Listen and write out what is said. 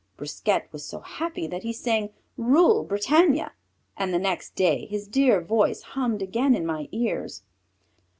Brisquet was so happy that he sang Rule Britannia, and the next day his dear voice hummed again in my ears.